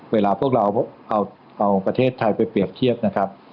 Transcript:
เวลาพวกเราเอาประเทศไทยไปเปรียบเทียบนะครับ